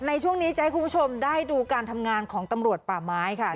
ในช่วงนี้จะให้คุณผู้ชมได้ดูการทำงานของตำรวจป่าไม้ค่ะ